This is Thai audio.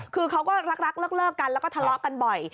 คือเขาก็รักเลิกกันแล้วก็ทะเลาะกันบ่อย